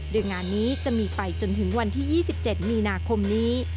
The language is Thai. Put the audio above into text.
โดยงานนี้จะมีไปจนถึงวันที่๒๗มีนาคมนี้